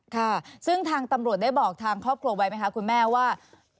ค่ะซึ่งทางตำรวจได้บอกทางครอบครัวไว้ไหมคะคุณแม่ว่า